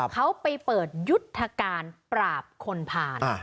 เขาไปเปิดยุทธการปราบคนผ่าน